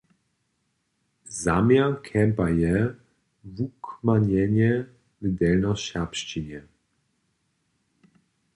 Zaměr campa je wukmanjenje w delnjoserbšćinje.